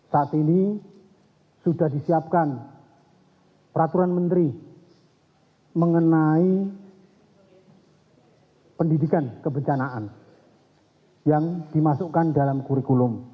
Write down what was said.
saat ini sudah disiapkan peraturan menteri mengenai pendidikan kebencanaan yang dimasukkan dalam kurikulum